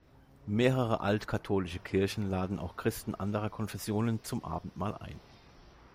Mehrere alt-katholische Kirchen laden auch Christen anderer Konfessionen zum Abendmahl ein.